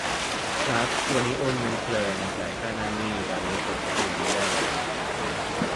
ครับ วันนี้โอนเงินเพลิน จ่ายค่านั่นนี่ ตอนนี้กดเอทีเอ็มไม่ได้แล้ว